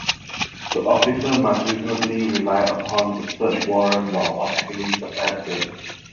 The officer must reasonably rely upon the search warrant while obtaining the evidence.